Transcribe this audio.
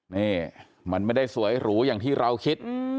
นี่มันไม่ได้สวยหรูอย่างที่เราคิด